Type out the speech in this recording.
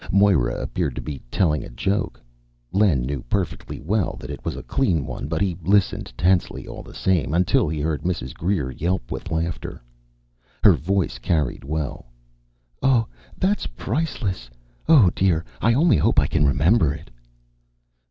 Moira appeared to be telling a joke; Len knew perfectly well that it was a clean one, but he listened tensely, all the same, until he heard Mrs. Greer yelp with laughter. Her voice carried well: "Oh, that's priceless! Oh, dear, I only hope I can remember it!"